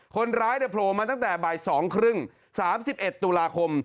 คนร้ายโผล่มาตั้งแต่บ่าย๒๓๐๓๑ตุลาคม